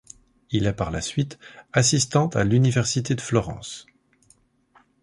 Il est par la suite assistant à l'université de Florence.